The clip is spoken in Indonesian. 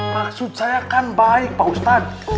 maksud saya kan baik pak ustadz